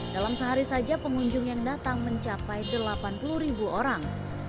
dalam sehari saja pengunjung yang datang mencapai delapan puluh ribu orang